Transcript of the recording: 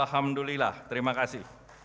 alhamdulillah terima kasih